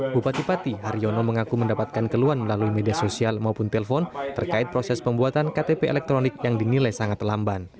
bupati pati haryono mengaku mendapatkan keluhan melalui media sosial maupun telpon terkait proses pembuatan ktp elektronik yang dinilai sangat lamban